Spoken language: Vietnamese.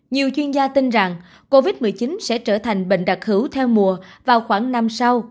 nhiều chuyên gia tin rằng covid một mươi chín sẽ trở thành bệnh đặc hữu theo mùa vào khoảng năm sau